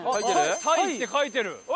「大」って書いてる。